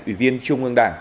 ủy viên trung ương đảng